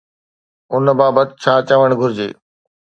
ان بابت ڇا چوڻ گهرجي؟